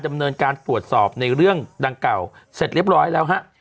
ดำเนินการตรวจสอบในเรื่องดังกล่าวเสร็จเรียบร้อยแล้วฮะ